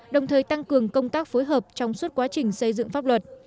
đồng thời tăng cường công tác phối hợp trong suốt quá trình xây dựng pháp luật